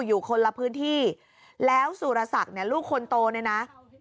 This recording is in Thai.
อยู่คนละพื้นที่แล้วสุรศักดิ์เนี่ยลูกคนโตเนี่ยนะ